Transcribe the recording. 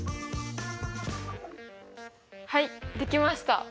はいできました。